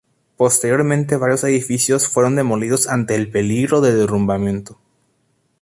Posteriormente varios edificios fueron demolidos ante el peligro de derrumbamiento.